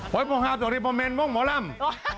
โหยพระเอกชัยรับแดนเซอร์ผู้หญิงบ้วงหมอร่ำ